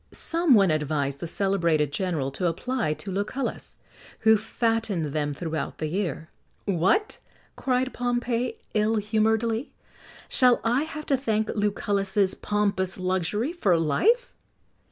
Some one advised the celebrated general to apply to Lucullus, who fattened them throughout the year. "What," cried Pompey, ill humouredly, "shall I have to thank Lucullus's pompous luxury for life!"